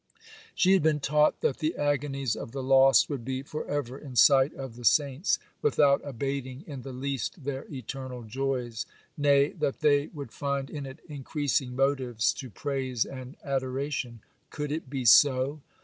She had been taught that the agonies of the lost would be for ever in sight of the saints, without abating in the least their eternal joys; nay, that they would find in it increasing motives to praise and adoration. Could it be so?